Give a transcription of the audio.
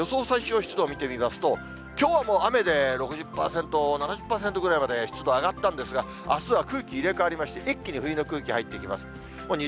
最小湿度を見てみますと、きょうはもう雨で６０％、７０％ぐらいまで湿度上がったんですが、あすは空気入れ代わりまして、一気に冬の空気入ってきます。